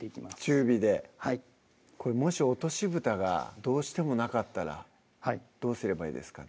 中火ではいもし落としぶたがどうしてもなかったらどうすればいいですか？